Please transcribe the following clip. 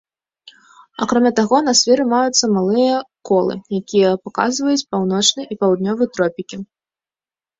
Акрамя таго, на сферы маюцца малыя колы, якія паказваюць паўночны і паўднёвы тропікі.